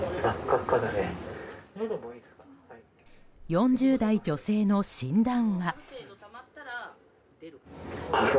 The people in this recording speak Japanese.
４０代女性の診断は。